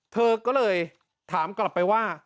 เธอก็เลยถามกลับไปว่า